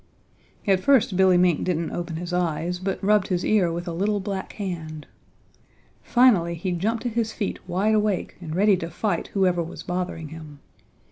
At first Billy Mink didn't open his eyes, but rubbed his ear with a little black hand. Finally he jumped to his feet wide awake and ready to fight whoever was bothering him.